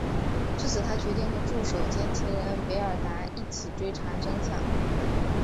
至此他决定和助手兼情人维尔达一起追查真相。